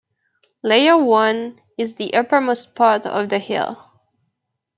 Layer I is the uppermost part of the hill.